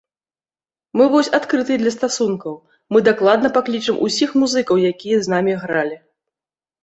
Мы вось адкрытыя для стасункаў, мы дакладна паклічам усіх музыкаў, якія з намі гралі.